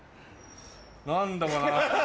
何だかな。